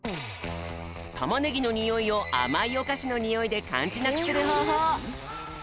タマネギのにおいをあまいおかしのにおいでかんじなくするほうほう！